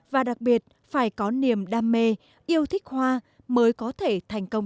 và đặc biệt phải có niềm đam mê yêu thích hoa mới có thể thành công